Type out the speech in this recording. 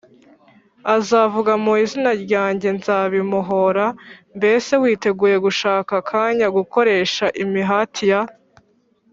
azavuga mu izina ryanjye nzabimuhora Mbese witeguye gushaka akanya gukoresha imihati ya